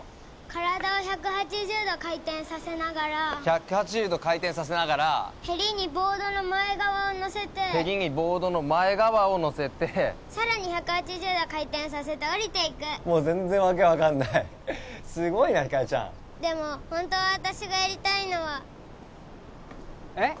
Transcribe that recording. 体を１８０度回転させながら１８０度回転させながらへりにボードの前側を乗せてへりにボードの前側を乗せてさらに１８０度回転させて下りていくもう全然わけ分かんないすごいなひかりちゃんでもホントは私がやりたいのはえっ？